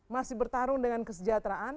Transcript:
masih bertarung dengan kesejahteraan